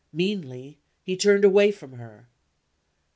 Meanly, he turned away from her.